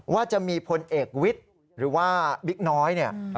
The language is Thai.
ว่าจะมีพลเอกวิทย์หรือว่าบิ๊กน้อยเนี่ย